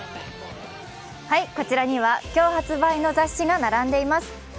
こちらには今日発売の雑誌が並んでいます。